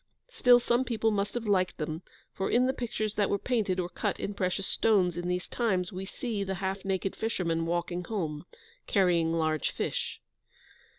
Still some people must have liked them; for in the pictures that were painted or cut in precious stones in these times we see the half naked fisherman walking home, carrying large fish.